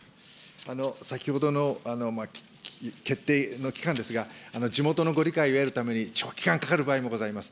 先ほどの決定の期間ですが、地元のご理解を得るために、長期間かかる場合もございます。